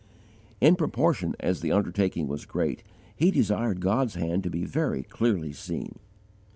In proportion as the undertaking was great, he desired God's hand to be very clearly seen.